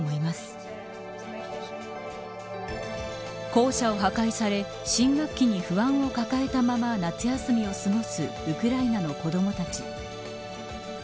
校舎を破壊され新学期に不安を抱えたまま夏休みを過ごすウクライナの子どもたち。